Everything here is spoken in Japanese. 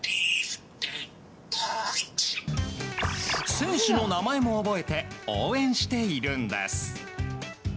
選手の名前も覚えて応援しているんです。